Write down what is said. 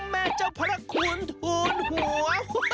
แม่เจ้าพระคุณทูลหัว